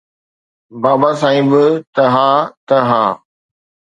بابا سائين به ته ها ته ها